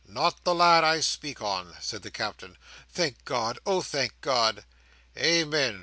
"Not the lad I speak on," said the Captain. "Thank God! oh thank God!" "Amen!"